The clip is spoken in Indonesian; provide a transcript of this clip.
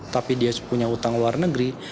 tapi dia punya utang luar negeri